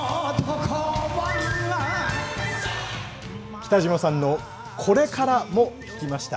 北島さんのこれからも聞きました。